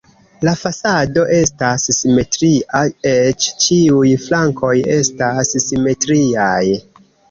La fasado estas simetria, eĉ ĉiuj flankoj estas simetriaj.